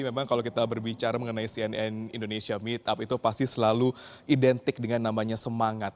memang kalau kita berbicara mengenai cnn indonesia meetup itu pasti selalu identik dengan namanya semangat